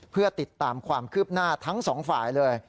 เพื่อติดตามความคืบหน้าทั้งสองฝ่ายเลย